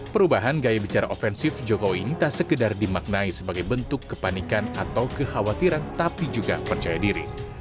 perubahan gaya bicara ofensif jokowi ini tak sekedar dimaknai sebagai bentuk kepanikan atau kekhawatiran tapi juga percaya diri